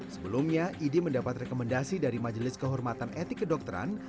sebelumnya idi mendapat rekomendasi dari majelis kehormatan etik kedokteran